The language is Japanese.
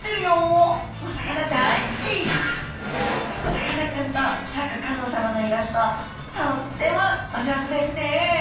さかなクンとシャーク香音さまのイラストとってもお上手ですね！